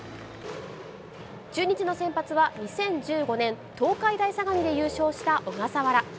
中日の先発は２０１５年、東海大相模で優勝した小笠原。